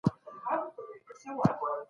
زما په ټول وطن کې ته خوښ سوې مئینه